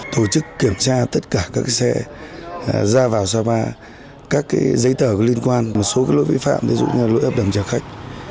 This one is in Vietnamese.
tổ chức kiểm tra tất cả các xe ra vào sapa các giấy tờ liên quan một số lỗi vi phạm ví dụ như lỗi ấp đầm trả khách